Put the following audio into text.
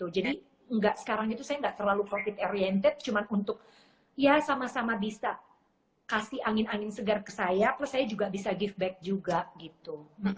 jadi sekarang itu saya nggak terlalu profit oriented cuma untuk ya sama sama bisa kasih angin angin segar ke saya plus saya juga bisa give back juga gitu